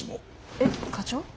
えっ課長？